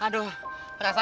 udah usap nyisih